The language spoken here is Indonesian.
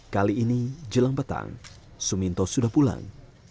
kali ini jelang petang suminto sudah pulang